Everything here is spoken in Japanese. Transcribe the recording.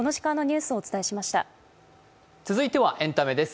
続いてはエンタメです。